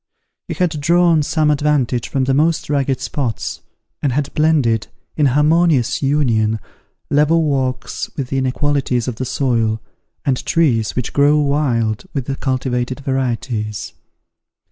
He had drawn some advantage from the most rugged spots, and had blended, in harmonious union, level walks with the inequalities of the soil, and trees which grow wild with the cultivated varieties.